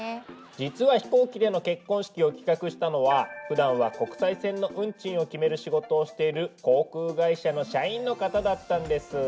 実は飛行機での結婚式を企画したのはふだんは国際線の運賃を決める仕事をしている航空会社の社員の方だったんです。